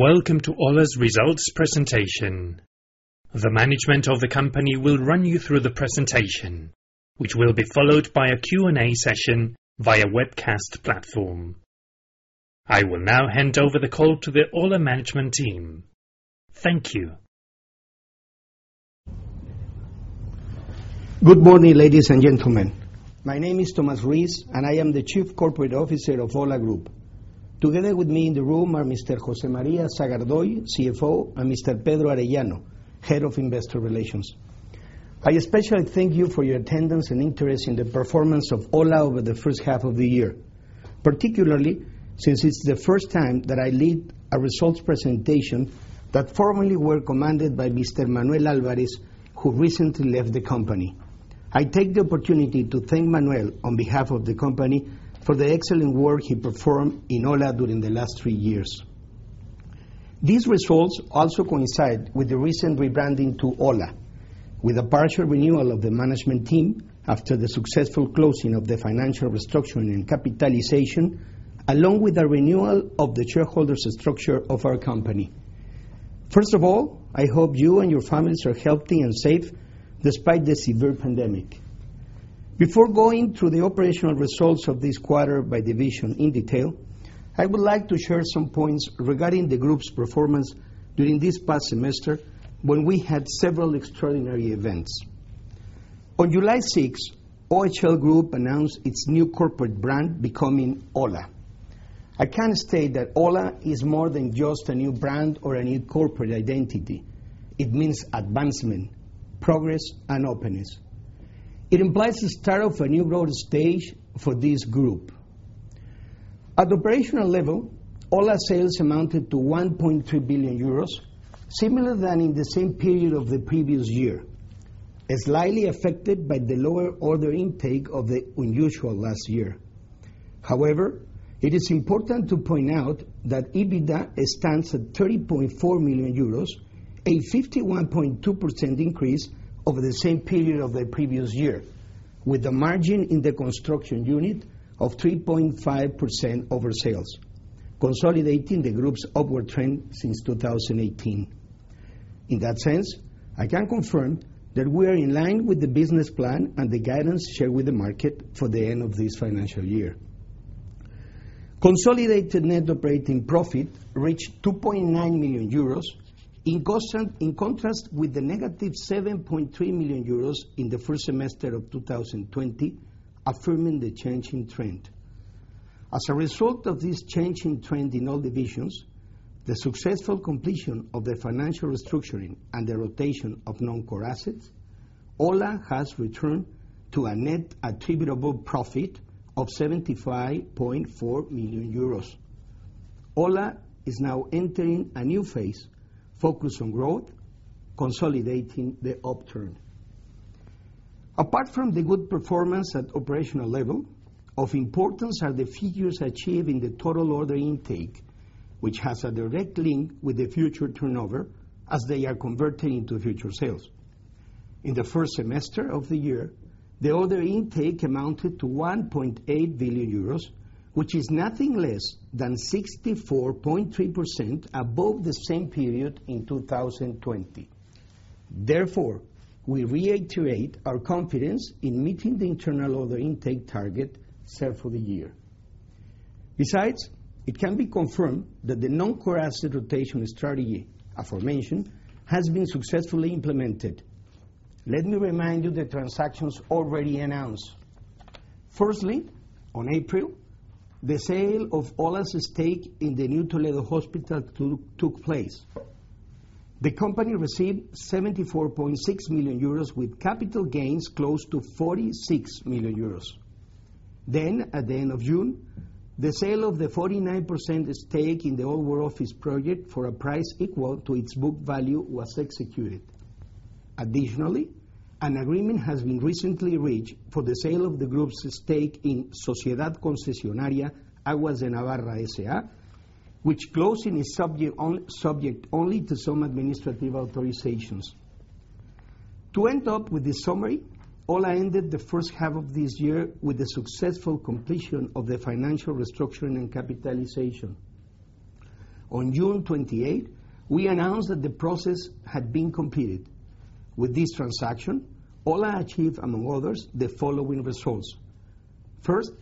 Welcome to OHLA's results presentation. The management of the company will run you through the presentation, which will be followed by a Q&A session via webcast platform. I will now hand over the call to the OHLA management team. Thank you. Good morning, ladies and gentlemen. My name is Tomás Ruiz, and I am the Chief Corporate Officer of OHLA Group. Together with me in the room are Mr. José María Sagardoy, CFO, and Mr. Pedro Arellano, Head of Investor Relations. I especially thank you for your attendance and interest in the performance of OHLA over the first half of the year, particularly since it's the first time that I lead a results presentation that formerly were commanded by Mr. Manuel Álvarez, who recently left the company. I take the opportunity to thank Manuel on behalf of the company for the excellent work he performed in OHLA during the last three years. These results also coincide with the recent rebranding to OHLA, with a partial renewal of the management team after the successful closing of the financial restructuring and capitalization, along with a renewal of the shareholders' structure of our company. First of all, I hope you and your families are healthy and safe despite the severe pandemic. Before going through the operational results of this quarter by division in detail, I would like to share some points regarding the group's performance during this past semester when we had several extraordinary events. On July 6, OHLA Group announced its new corporate brand becoming OHLA. I can state that OHLA is more than just a new brand or a new corporate identity. It means advancement, progress, and openness. It implies the start of a new growth stage for this group. At the operational level, OHLA sales amounted to 1.3 billion euros, similar than in the same period of the previous year, slightly affected by the lower order intake of the unusual last year. However, it is important to point out that EBITDA stands at 30.4 million euros, a 51.2% increase over the same period of the previous year, with a margin in the construction unit of 3.5% over sales, consolidating the group's upward trend since 2018. In that sense, I can confirm that we are in line with the business plan and the guidance shared with the market for the end of this financial year. Consolidated net operating profit reached 2.9 million euros in contrast with the -7.3 million euros in the first semester of 2020, affirming the change in trend. As a result of this change in trend in all divisions, the successful completion of the financial restructuring, and the rotation of non-core assets, OHLA has returned to a net attributable profit of 75.4 million euros. OHLA is now entering a new phase focused on growth, consolidating the upturn. Apart from the good performance at operational level, of importance are the figures achieved in the total order intake, which has a direct link with the future turnover as they are converting into future sales. In the first semester of the year, the order intake amounted to 1.8 billion euros, which is nothing less than 64.3% above the same period in 2020. Therefore, we reiterate our confidence in meeting the internal order intake target set for the year. Besides, it can be confirmed that the non-core asset rotation strategy aforementioned has been successfully implemented. Let me remind you the transactions already announced. Firstly, on April, the sale of OHLA's stake in the new Toledo Hospital took place. The company received 74.6 million euros with capital gains close to 46 million euros. At the end of June, the sale of the 49% stake in the Old War Office project for a price equal to its book value was executed. Additionally, an agreement has been recently reached for the sale of the group's stake in Sociedad Concesionaria Aguas de Navarra, S.A., which closing is subject only to some administrative authorizations. To end up with this summary, OHLA ended the first half of this year with the successful completion of the financial restructuring and capitalization. On June 28, we announced that the process had been completed. With this transaction, OHLA achieved, among others, the following results. First,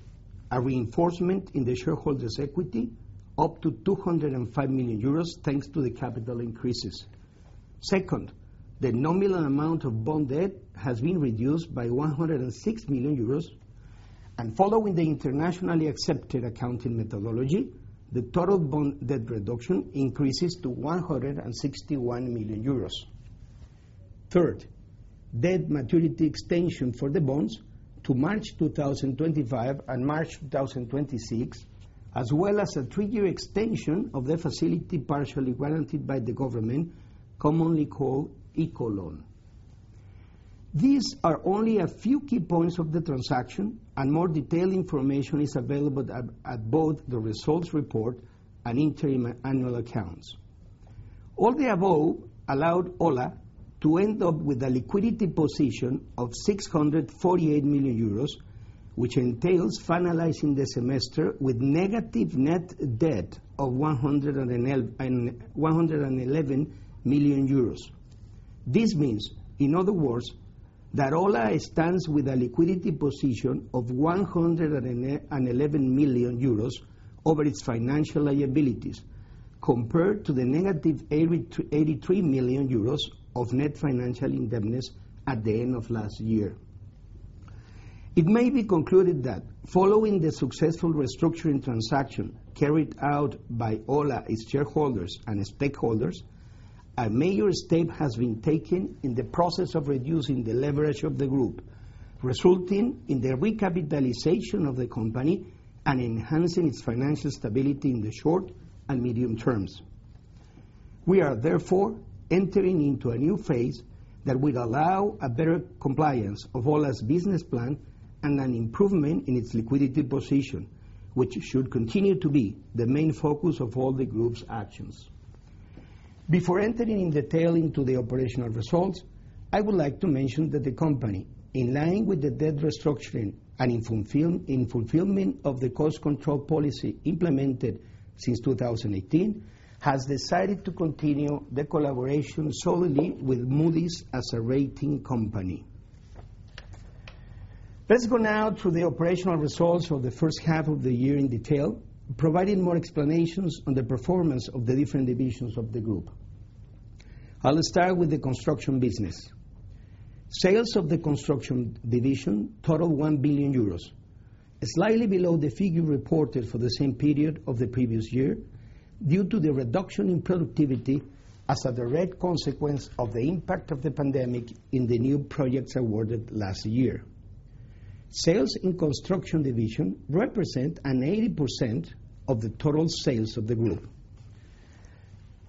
a reinforcement in the shareholders' equity up to 205 million euros thanks to the capital increases. Second, the nominal amount of bond debt has been reduced by 106 million euros, and following the internationally accepted accounting methodology, the total bond debt reduction increases to 161 million euros. Third, debt maturity extension for the bonds to March 2025 and March 2026, as well as a three-year extension of the facility partially guaranteed by the government, commonly called ICO loan. These are only a few key points of the transaction, and more detailed information is available at both the results report and interim annual accounts. All the above allowed OHLA to end up with a liquidity position of 648 million euros, which entails finalizing the semester with negative net debt of 111 million euros. This means, in other words, that OHLA stands with a liquidity position of 111 million euros over its financial liabilities, compared to the -83 million euros of net financial indemnities at the end of last year. It may be concluded that following the successful restructuring transaction carried out by OHLA shareholders and stakeholders, a major step has been taken in the process of reducing the leverage of the group, resulting in the recapitalization of the company and enhancing its financial stability in the short and medium terms. We are therefore entering into a new phase that will allow a better compliance of OHLA's business plan and an improvement in its liquidity position, which should continue to be the main focus of all the group's actions. Before entering in detail into the operational results, I would like to mention that the company, in line with the debt restructuring and in fulfillment of the cost control policy implemented since 2018, has decided to continue the collaboration solely with Moody's as a rating company. Let's go now through the operational results of the first half of the year in detail, providing more explanations on the performance of the different divisions of the group. I'll start with the construction business. Sales of the construction division totaled 1 billion euros, slightly below the figure reported for the same period of the previous year, due to the reduction in productivity as a direct consequence of the impact of the pandemic in the new projects awarded last year. Sales in construction division represent an 80% of the total sales of the group.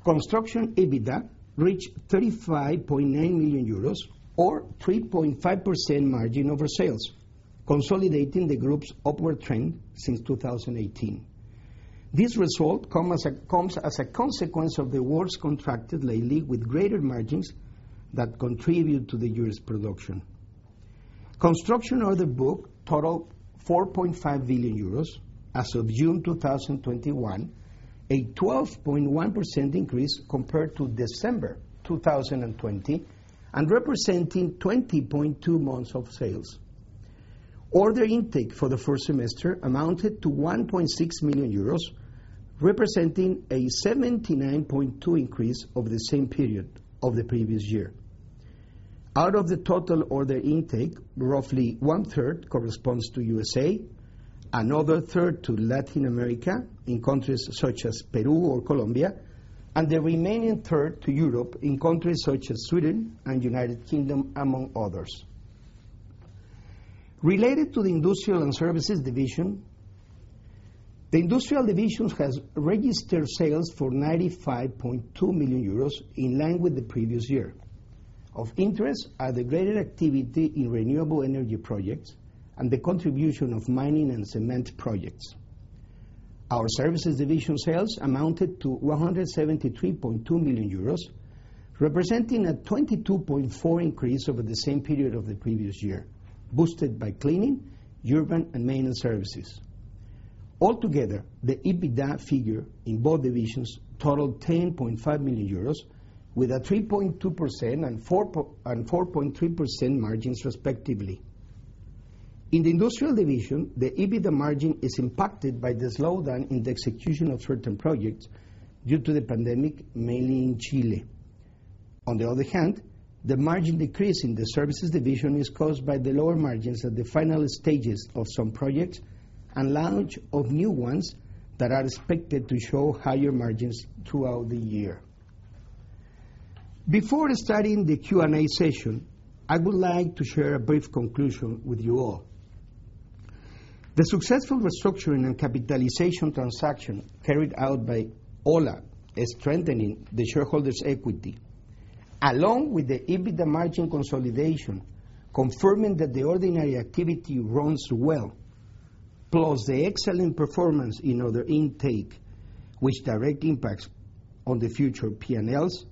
Construction EBITDA reached 35.9 million euros or 3.5% margin over sales, consolidating the group's upward trend since 2018. This result comes as a consequence of the awards contracted lately with greater margins that contribute to the year's production. Construction order book totaled 4.5 billion euros as of June 2021, a 12.1% increase compared to December 2020 and representing 20.2 months of sales. Order intake for the first semester amounted to 1.6 million euros, representing a 79.2% increase over the same period of the previous year. Out of the total order intake, roughly 1/3 corresponds to U.S.A., another 1/3 to Latin America, in countries such as Peru or Colombia, and the remaining 1/3 to Europe, in countries such as Sweden and U.K., among others. Related to the industrial and services division, the industrial division has registered sales for 95.2 million euros, in line with the previous year. Of interest are the greater activity in renewable energy projects and the contribution of mining and cement projects. Our services division sales amounted to 173.2 million euros, representing a 22.4% increase over the same period of the previous year, boosted by cleaning, urban, and maintenance services. Altogether, the EBITDA figure in both divisions totaled 10.5 million euros, with a 3.2% and 4.3% margins, respectively. In the industrial division, the EBITDA margin is impacted by the slowdown in the execution of certain projects due to the pandemic, mainly in Chile. On the other hand, the margin decrease in the services division is caused by the lower margins at the final stages of some projects and launch of new ones that are expected to show higher margins throughout the year. Before starting the Q&A session, I would like to share a brief conclusion with you all. The successful restructuring and capitalization transaction carried out by OHLA is strengthening the shareholders' equity, along with the EBITDA margin consolidation, confirming that the ordinary activity runs well, plus the excellent performance in order intake, which directly impacts on the future P&Ls,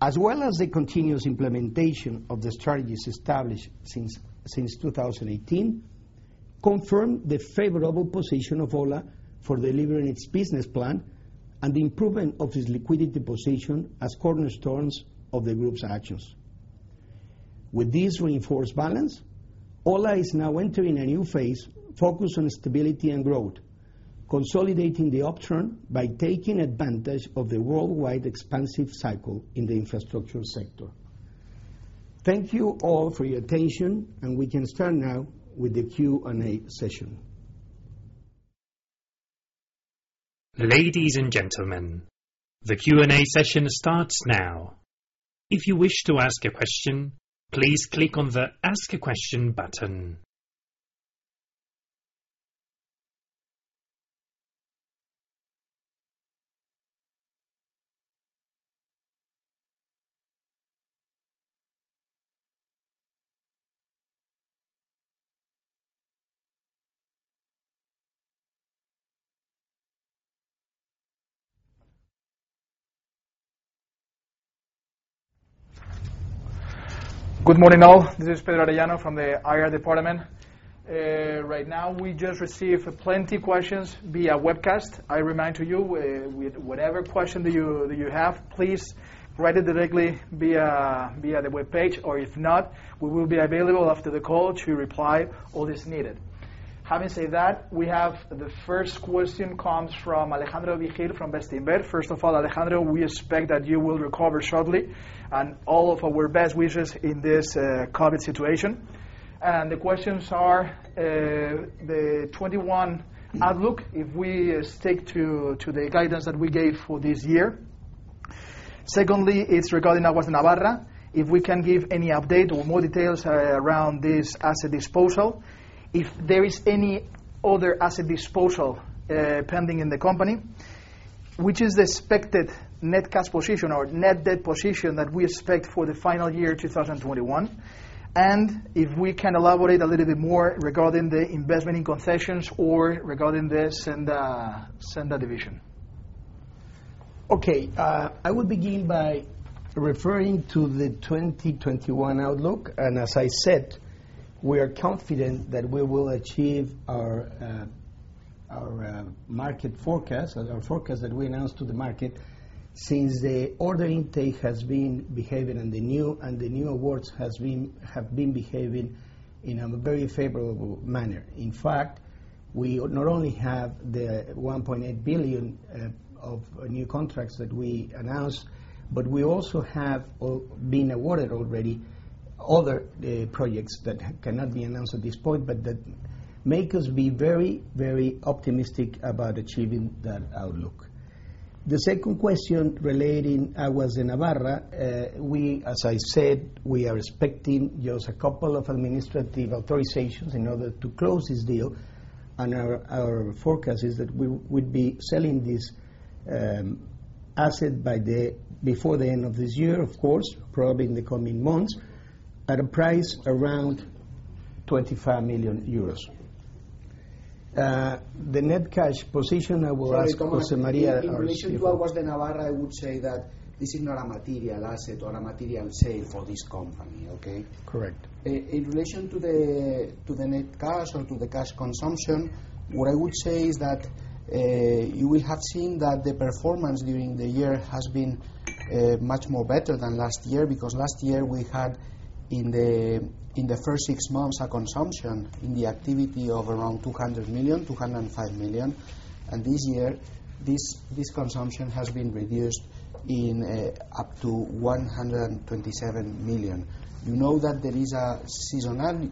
as well as the continuous implementation of the strategies established since 2018, confirm the favorable position of OHLA for delivering its business plan and the improvement of its liquidity position as cornerstones of the group's actions. With this reinforced balance, OHLA is now entering a new phase focused on stability and growth, consolidating the upturn by taking advantage of the worldwide expansive cycle in the infrastructure sector. Thank you all for your attention. We can start now with the Q&A session. Ladies and gentlemen, the Q&A session starts now. If you wish to ask a question, please click on the Ask a Question button. Good morning, all. This is Pedro Arellano from the IR department. Right now, we just received plenty of questions via webcast. I remind you, with whatever question that you have, please write it directly via the webpage. If not, we will be available after the call to reply all that's needed. Having said that, we have the first question comes from Alejandro Vigil from Bestinver. First of all, Alejandro, we expect that you will recover shortly, and all of our best wishes in this COVID situation. The questions are, the 2021 outlook, if we stick to the guidance that we gave for this year. Secondly, it's regarding Aguas de Navarra, if we can give any update or more details around this asset disposal. If there is any other asset disposal pending in the company? Which is the expected net cash position or net debt position that we expect for the final year 2021? If we can elaborate a little bit more regarding the investment in concessions or regarding the Senda division? Okay. I will begin by referring to the 2021 outlook. As I said, we are confident that we will achieve our market forecast, our forecast that we announced to the market, since the order intake has been behaving, and the new awards have been behaving in a very favorable manner. In fact, we not only have the 1.8 billion of new contracts that we announced, but we also have been awarded already other projects that cannot be announced at this point, but that make us be very optimistic about achieving that outlook. The second question relating Aguas de Navarra. As I said, we are expecting just a couple of administrative authorizations in order to close this deal. Our forecast is that we would be selling this asset before the end of this year, of course, probably in the coming months, at a price around 25 million euros. The net cash position, I will ask José María. In relation to Aguas de Navarra, I would say that this is not a material asset or a material sale for this company, okay? Correct. In relation to the net cash or to the cash consumption, what I would say is that, you will have seen that the performance during the year has been much more better than last year. Last year, we had, in the first six months, a consumption in the activity of around 200 million-205 million. And this year, this consumption has been reduced in up to 127 million. You know that there is a seasonality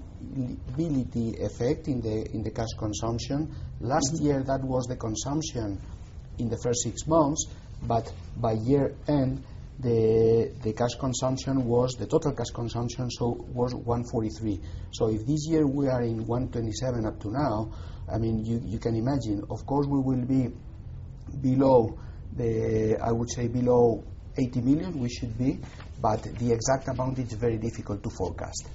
effect in the cash consumption. Last year, that was the consumption in the first six months. By year end, the total cash consumption was 143 million. If this year we are in 127 million up to now, you can imagine, of course, we will be below, I would say below 80 million, we should be. The exact amount is very difficult to forecast.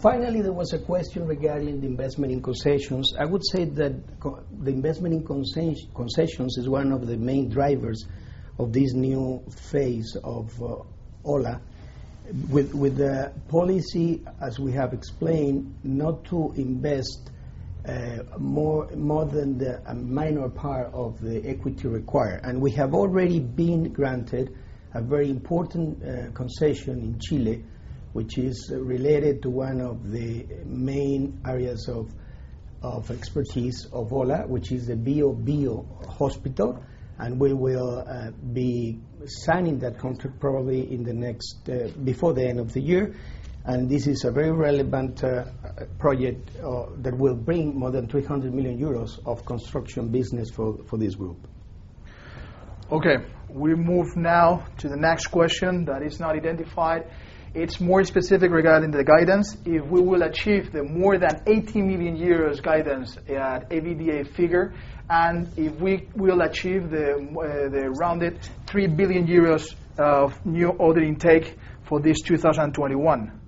Finally, there was a question regarding the investment in concessions. I would say that the investment in concessions is one of the main drivers of this new phase of OHLA. With the policy, as we have explained, not to invest more than the minor part of the equity required. We have already been granted a very important concession in Chile, which is related to one of the main areas of expertise of OHLA, which is the Biobío Hospital. We will be signing that contract probably before the end of the year. This is a very relevant project that will bring more than 300 million euros of construction business for this group. Okay. We move now to the next question that is not identified. It's more specific regarding the guidance. If we will achieve the more than 80 million guidance at EBITDA figure, and if we will achieve the rounded 3 billion euros of new order intake for this 2021?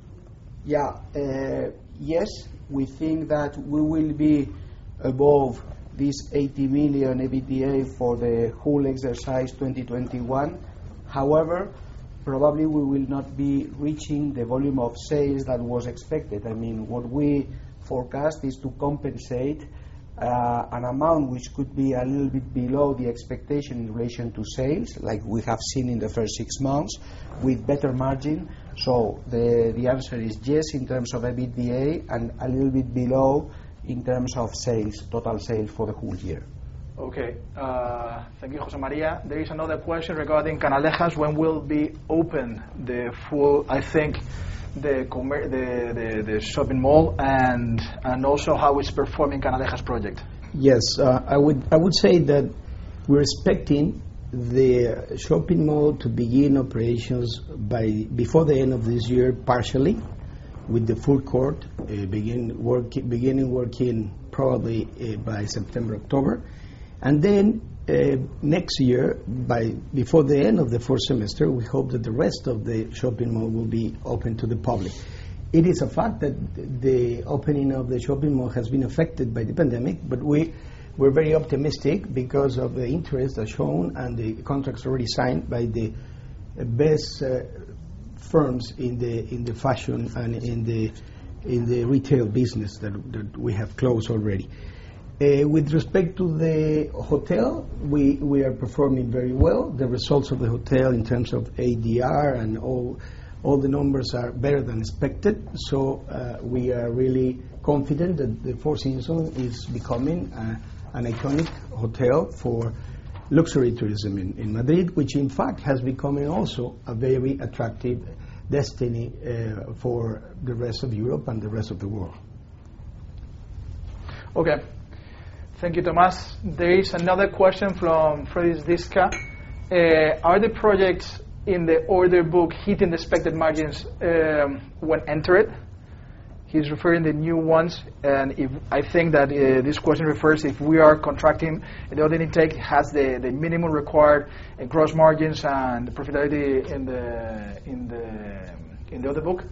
Yeah. Yes, we think that we will be above this 80 million EBITDA for the whole exercise 2021. However, probably we will not be reaching the volume of sales that was expected. What we forecast is to compensate an amount which could be a little bit below the expectation in relation to sales, like we have seen in the first six months, with better margin. The answer is yes, in terms of EBITDA, and a little bit below in terms of total sale for the whole year. Okay. Thank you, José María. There is another question regarding Canalejas. When will be open the full, I think, the shopping mall? How is performing Canalejas project? Yes. I would say that we're expecting the shopping mall to begin operations before the end of this year, partially, with the food court beginning working probably by September, October. Then next year, before the end of the first semester, we hope that the rest of the shopping mall will be open to the public. It is a fact that the opening of the shopping mall has been affected by the pandemic, but we're very optimistic because of the interest shown and the contracts already signed by the best firms in the fashion and in the retail business that we have closed already. With respect to the hotel, we are performing very well. The results of the hotel in terms of ADR and all the numbers are better than expected. We are really confident that the Four Seasons is becoming an iconic hotel for luxury tourism in Madrid, which in fact has becoming also a very attractive destination for the rest of Europe and the rest of the world. Okay. Thank you, Tomás. There is another question from Francis Diska. Are the projects in the order book hitting the expected margins when entered? He's referring the new ones, and I think that, this question refers if we are contracting, the ordering intake has the minimum required gross margins and profitability in the order book.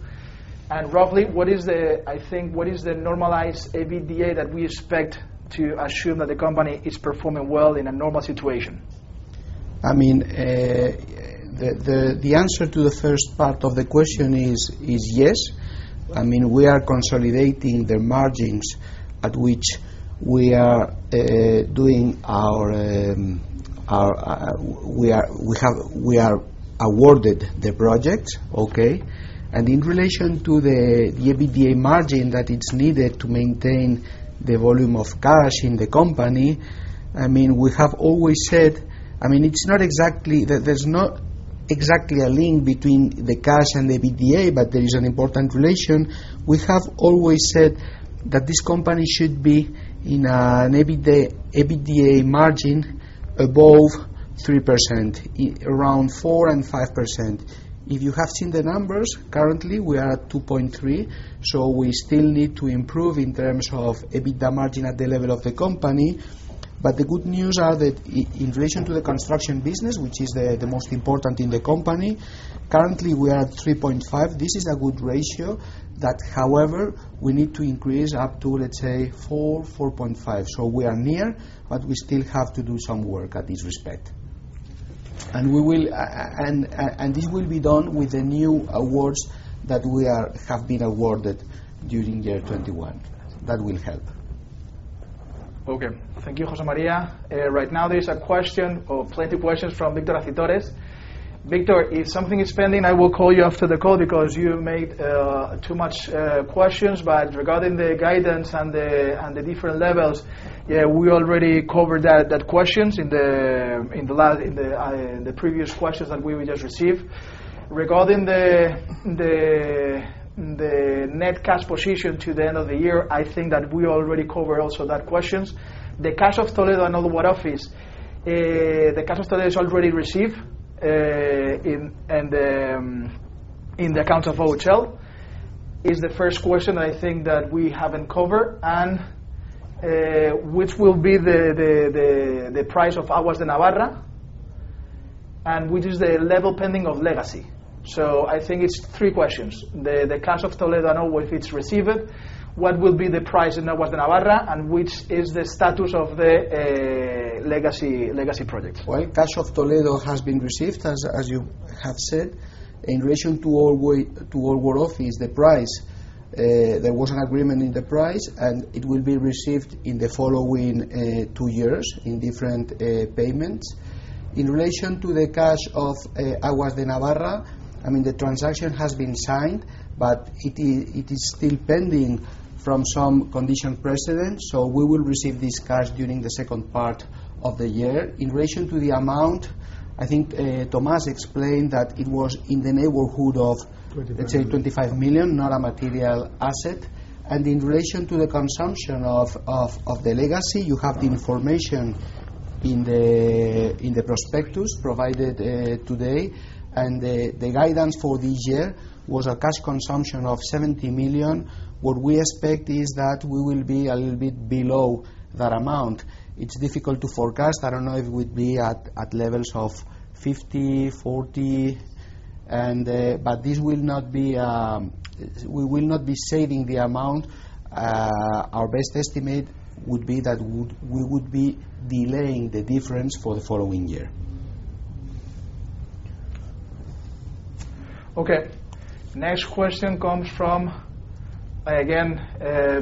Roughly, what is the normalized EBITDA that we expect to assume that the company is performing well in a normal situation? The answer to the first part of the question is yes. We are consolidating the margins at which we are awarded the project. Okay. In relation to the EBITDA margin that it's needed to maintain the volume of cash in the company, we have always said, there's not exactly a link between the cash and the EBITDA, but there is an important relation. We have always said that this company should be in an EBITDA margin above 3%, around 4% and 5%. If you have seen the numbers, currently, we are at 2.3%, we still need to improve in terms of EBITDA margin at the level of the company. The good news are that in relation to the construction business, which is the most important in the company, currently we are at 3.5%. This is a good ratio. We need to increase up to, let's say, 4.5%. We are near, but we still have to do some work at this respect. This will be done with the new awards that we have been awarded during year 2021. That will help. Okay. Thank you, José María. Right now there is a question or plenty questions from Victor Acitores. Victor, if something is pending, I will call you after the call because you made too much questions. Regarding the guidance and the different levels, yeah, we already covered that questions in the previous questions that we just received. Regarding the net cash position to the end of the year, I think that we already covered also that questions. The cash of Toledo and Old War Office. The cash of Toledo is already received, in the accounts of OHLA, is the first question I think that we haven't covered and, which will be the price of Aguas de Navarra, and which is the level pending of legacy? I think it's three questions. The cash of Toledo, I know if it's received. What will be the price in Aguas de Navarra, and which is the status of the legacy project? Cash of Toledo has been received, as you have said. In relation to Old War Office, the price, there was an agreement in the price, and it will be received in the following two years in different payments. In relation to the cash of Aguas de Navarra, the transaction has been signed, but it is still pending from some condition precedent. We will receive this cash during the second part of the year. In relation to the amount, I think, Tomás explained that it was in the neighborhood of let's say 25 million, not a material asset. In relation to the consumption of the legacy, you have the information in the prospectus provided today, the guidance for this year was a cash consumption of 70 million. What we expect is that we will be a little bit below that amount. It's difficult to forecast. I don't know if it would be at levels of 50 million, 40 million. We will not be saving the amount. Our best estimate would be that we would be delaying the difference for the following year. Okay. Next question comes from, again,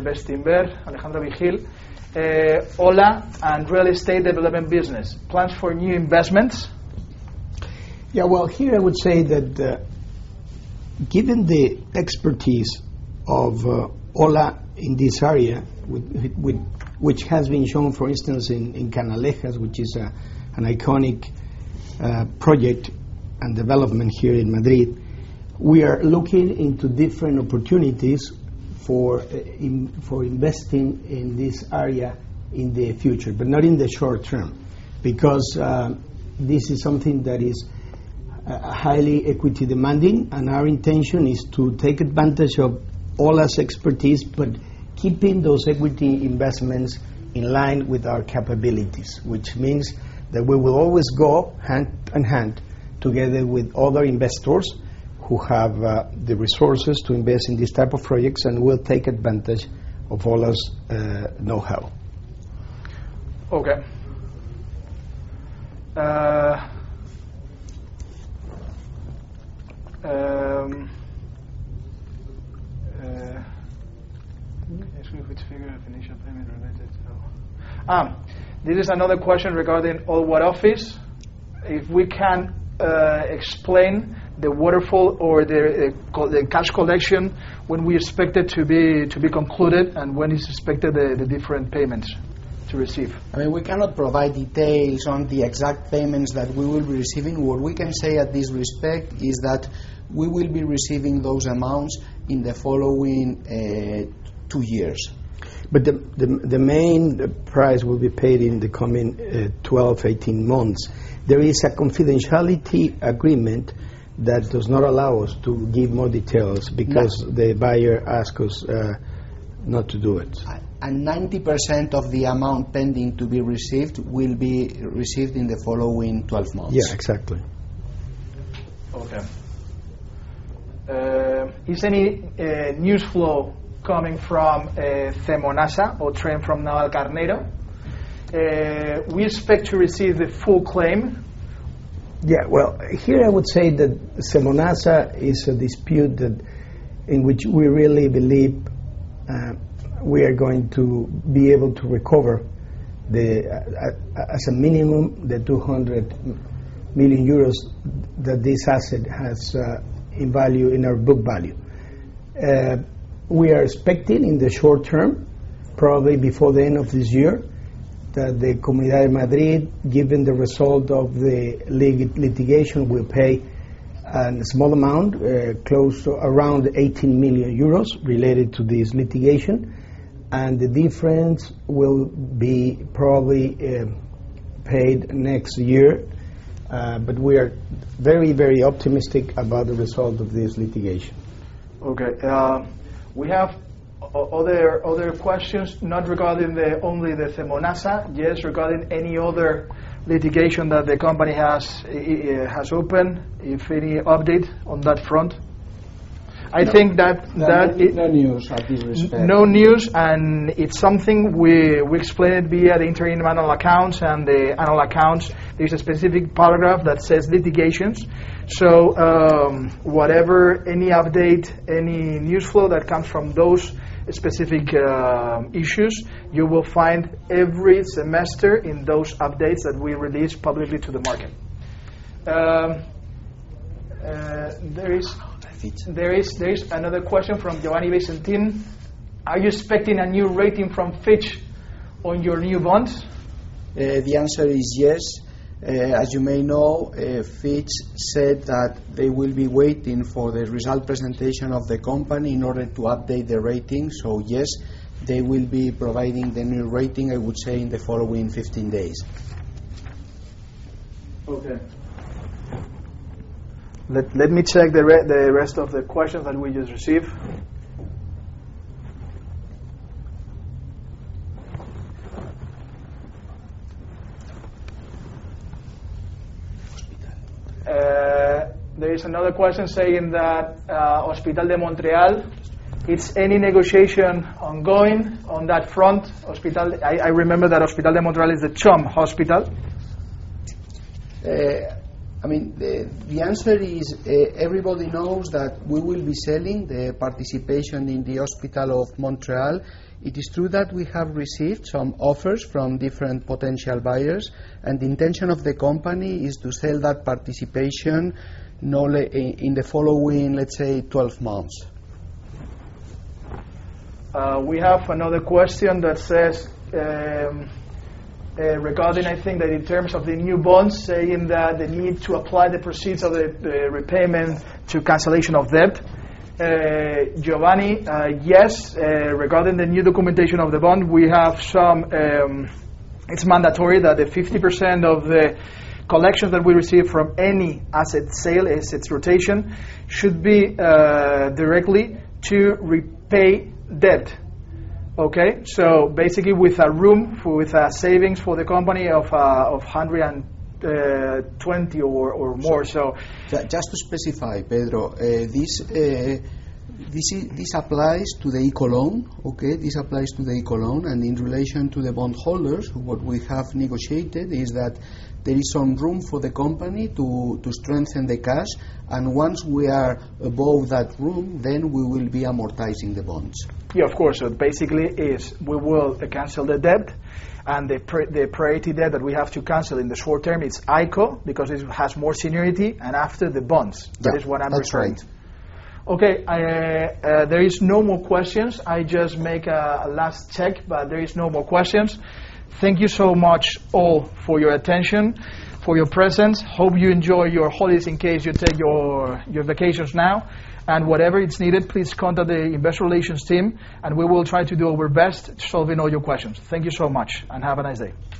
Bestinver, Alejandro Vigil. OHLA and real estate development business, plans for new investments? Well, here I would say that given the expertise of OHLA in this area, which has been shown, for instance, in Canalejas, which is an iconic project and development here in Madrid. We are looking into different opportunities for investing in this area in the future, but not in the short term, because, this is something that is highly equity demanding, and our intention is to take advantage of OHLA's expertise, but keeping those equity investments in line with our capabilities, which means that we will always go hand in hand together with other investors who have the resources to invest in these type of projects and will take advantage of OHLA's know-how. Okay. He asked me which figure of initial payment related to. This is another question regarding Old War Office. If we can explain the waterfall or the cash collection, when we expect it to be concluded, and when is expected the different payments to receive? We cannot provide details on the exact payments that we will be receiving. What we can say at this respect is that we will be receiving those amounts in the following two years. The main price will be paid in the coming 12, 18 months. There is a confidentiality agreement that does not allow us to give more details because the buyer asked us not to do it. 90% of the amount pending to be received will be received in the following 12 months. Yeah, exactly. Okay. Is any news flow coming from Cemonasa or train from Navalcarnero? We expect to receive the full claim. Yeah. Well, here I would say that Cemonasa is a dispute in which we really believe we are going to be able to recover, as a minimum, the 200 million euros that this asset has in our book value. We are expecting in the short term, probably before the end of this year, that the Comunidad de Madrid, given the result of the litigation, will pay a small amount, close to around 80 million euros related to this litigation, and the difference will be probably paid next year. We are very optimistic about the result of this litigation. Okay. We have other questions, not regarding only the Cemonasa. Yes, regarding any other litigation that the company has open, if any update on that front? No news at this respect. No news, and it's something we explained via the interim annual accounts and the annual accounts. There's a specific paragraph that says litigations. Whatever, any update, any news flow that comes from those specific issues, you will find every semester in those updates that we release publicly to the market. There is another question from Giovanni Visentin. Are you expecting a new rating from Fitch on your new bonds? The answer is yes. As you may know, Fitch said that they will be waiting for the result presentation of the company in order to update their rating. Yes, they will be providing the new rating, I would say, in the following 15 days. Okay. Let me check the rest of the questions that we just received. There is another question saying that Hospital de Montreal, is any negotiation ongoing on that front hospital? I remember that Hospital de Montreal is the CHUM hospital. The answer is everybody knows that we will be selling the participation in the Hospital of Montreal. It is true that we have received some offers from different potential buyers. The intention of the company is to sell that participation in the following, let's say, 12 months. We have another question that says, regarding, I think that in terms of the new bonds, saying that the need to apply the proceeds of the repayment to cancellation of debt. Giovanni, yes. Regarding the new documentation of the bond, it's mandatory that the 50% of the collection that we receive from any asset sale, assets rotation, should be directly to repay debt. Okay? Basically, with a room, with a savings for the company of 120 million or more. Just to specify, Pedro, this applies to the ICO loan. Okay? This applies to the ICO loan. In relation to the bondholders, what we have negotiated is that there is some room for the company to strengthen the cash. Once we are above that room, then we will be amortizing the bonds. Yeah, of course. Basically, we will cancel the debt, and the priority debt that we have to cancel in the short term, it's ICO, because it has more seniority, and after, the bonds. Yeah. That is what I'm referring. That's right. Okay. There is no more questions. I just make a last check, but there is no more questions. Thank you so much all for your attention, for your presence. Hope you enjoy your holidays in case you take your vacations now. Whatever it's needed, please contact the investor relations team, and we will try to do our best solving all your questions. Thank you so much, and have a nice day.